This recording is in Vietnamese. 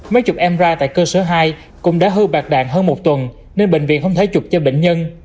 máy chụp mri tại cơ sở hai cũng đã hư bạc đạn hơn một tuần nên bệnh viện không thể chụp cho bệnh nhân